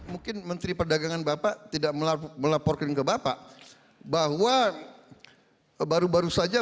mungkin menteri perdagangan bapak tidak melaporkan ke bapak bahwa baru baru saja